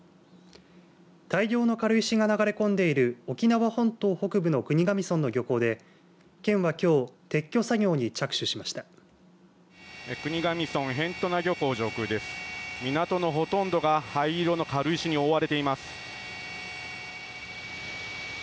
大量の軽石が流れ込んでいる沖縄本島北部の国頭村の漁港で県はきょう撤去作業に着手しました。